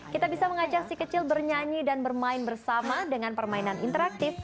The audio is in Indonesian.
kita bisa mengajak si kecil bernyanyi dan bermain bersama dengan permainan interaktif